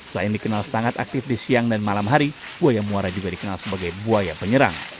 selain dikenal sangat aktif di siang dan malam hari buaya muara juga dikenal sebagai buaya penyerang